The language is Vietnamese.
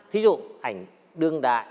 thí dụ ảnh đương đại